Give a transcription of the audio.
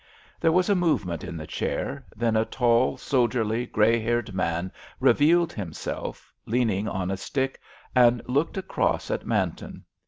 There was a movement in the chair, then a tall, soldierly, grey haired man revealed himself, leaning on a stick, and looked across at Manton.